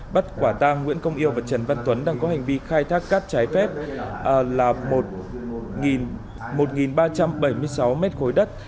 bắt quả tang nguyễn công yêu và trần văn tuấn đang có hành vi khai thác cát trái phép là một ba trăm bảy mươi sáu mét khối đất